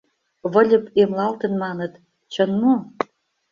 — Выльып эмлалтын маныт, чын мо?